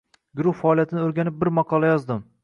Gurux faoliyatini oʻrganib bir maqola yozdim.